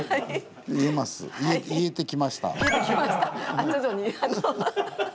あ徐々に。